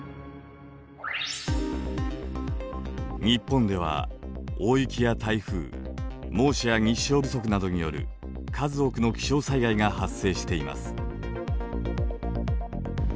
日本では大雪や台風猛暑や日照不足などによる数多くの気象災害が発生しています。